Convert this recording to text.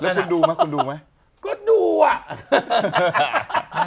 แล้วคุณดูไหม